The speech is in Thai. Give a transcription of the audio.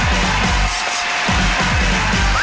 ศึกสุดที่รัก